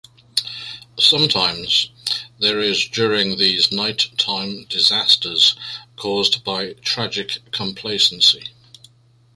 Sometimes, there is during these night-time disasters caused by tragic complacency.